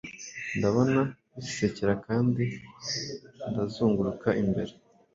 Ndabona bisekera, kandi ndazunguruka imbere,